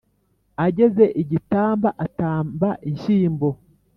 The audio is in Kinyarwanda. Ageze i Gitamba atanga inshyimbo